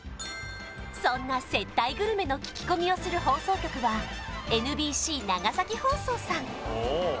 そんな接待グルメの聞き込みをする放送局はＮＢＣ長崎放送さん